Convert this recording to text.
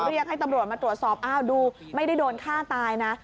เรียกให้ตำรวจมาตรวจสอบอ้าวดูไม่ได้โดนฆ่าตายนะ